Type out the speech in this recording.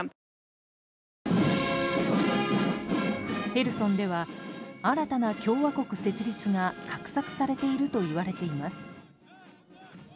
ヘルソンでは新たな共和国設立が画策されているといわれています。